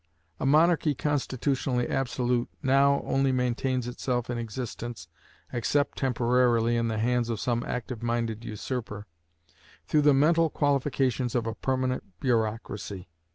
A monarchy constitutionally absolute now only maintains itself in existence (except temporarily in the hands of some active minded usurper) through the mental qualifications of a permanent bureaucracy.